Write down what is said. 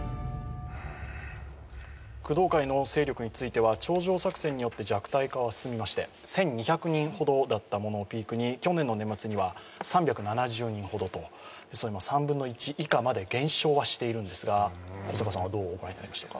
工藤会の勢力については頂上作戦によって弱体化が進みまして１２００人ものだったものをピークに、去年の年末には３７０人ほどと３分の１以下まで減少はしているんですが、どうご覧になりましたか？